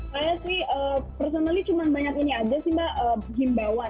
saya sih personally cuma banyak ini aja sih mbak himbauan